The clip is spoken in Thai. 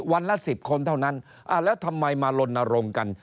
วันละ๑๐คนเท่านั้นแล้วทำไมมาลนรงค์กัน